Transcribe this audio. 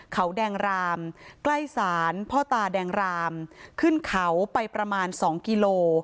เขาแดงรามใกล้ศาลพ่อตาแดงรามขึ้นเขาไปประมาณ๒กิโล